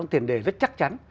một tiền đề rất chắc chắn